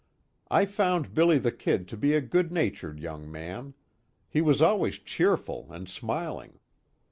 I found "Billy the Kid" to be a good natured young man. He was always cheerful and smiling.